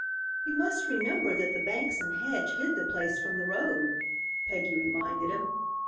"You must remember that the banks and hedge hid the place from the road," Peggy reminded him.